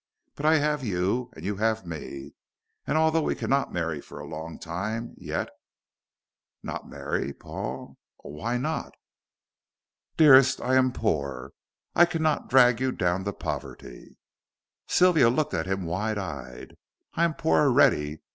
But I have you, and you have me, and although we cannot marry for a long time yet " "Not marry, Paul! Oh, why not?" "Dearest, I am poor, I cannot drag you down to poverty." Sylvia looked at him wide eyed. "I am poor already."